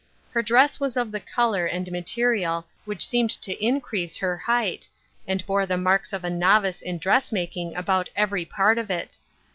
Her dress was of the color and material which seemed to increase her height, and bore the marks of a novice in dress making about every part of it.